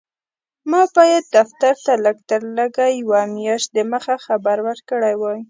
ما باید دفتر ته لږ تر لږه یوه میاشت دمخه خبر ورکړی وای.